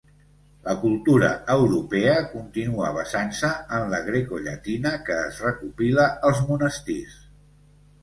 La cultura europea continua basant-se en la grecollatina, que es recopila als monestirs.